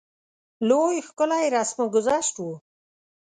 لوی ښکلی رسم ګذشت وو.